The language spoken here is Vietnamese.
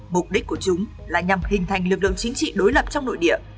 mục đích của chúng là nhằm hình thành lực lượng chính trị đối lập trong nội địa